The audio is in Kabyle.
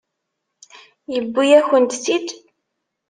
Yewwi-yakent-tt-id.